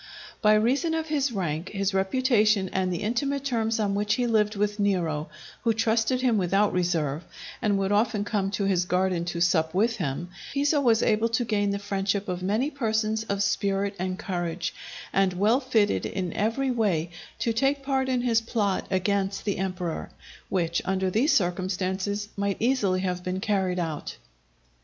By reason of his rank, his reputation, and the intimate terms on which he lived with Nero, who trusted him without reserve, and would often come to his garden to sup with him, Piso was able to gain the friendship of many persons of spirit and courage, and well fitted in every way to take part in his plot against the emperor, which, under these circumstances, might easily have been carried out.